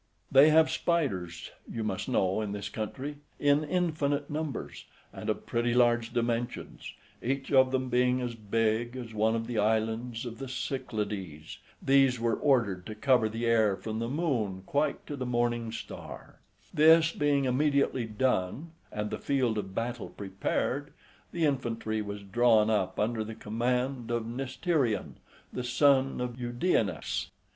They have spiders, you must know, in this country, in infinite numbers, and of pretty large dimensions, each of them being as big as one of the islands of the Cyclades; these were ordered to cover the air from the moon quite to the morning star; this being immediately done, and the field of battle prepared, the infantry was drawn up under the command of Nycterion, the son of Eudianax.